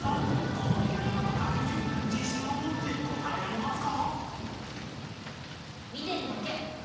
この平仮名の書き順自信を持って答えられますか？］